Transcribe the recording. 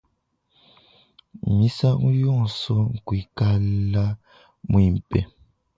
Misangu yonso kuikala muimpe.